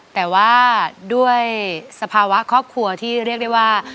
แต่ว่าด้วยสภาวะครอบครัวที่เรียกได้ว่า